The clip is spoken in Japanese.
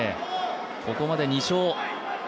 ここまで２勝。